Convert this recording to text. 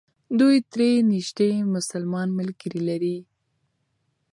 دوی درې نژدې مسلمان ملګري لري.